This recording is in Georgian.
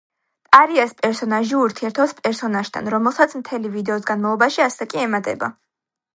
ტარიას პერსონაჟი ურთიერთობს პერსონაჟთან, რომელსაც მთელი ვიდეოს განმავლობაში ასაკი ემატება.